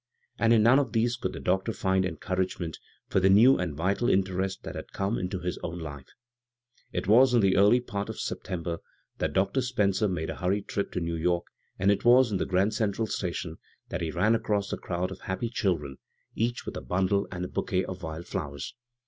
And in none of these could the doctor find encouragement for the new and vital interest that had <»me into his own life 1 It was in the early part of September that Dr. Spencer made a hurried trip to New York, and it was in the Grand Central Station that he ran across the crowd of happy chil dren, each with a bundle and a bouquet of wild flowers.